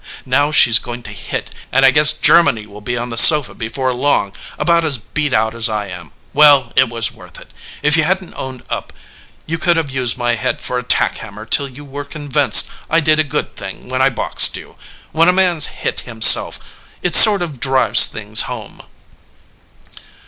Now she s going to hit, and I guess Germany will be on the sofa before long about as beat out as I am. Well, it was worth it. If you hadn t owned up you could have used my head for a tack hammer till you were con vinced I did a good thing when I boxed you. When a man s hit himself it sort of drives things home."